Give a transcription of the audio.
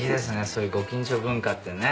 そういうご近所文化ってね。